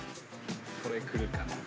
それくるかな？